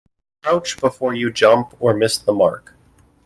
Crouch before you jump or miss the mark.